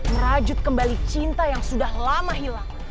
merajut kembali cinta yang sudah lama hilang